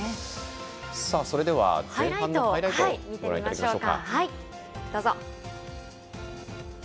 それでは、前半のハイライトご覧いただきましょう。